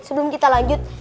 sebelum kita lanjut